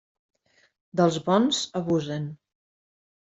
Dels bons abusen.